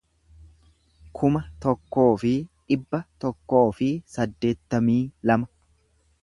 kuma tokkoo fi dhibba tokkoo fi saddeettamii lama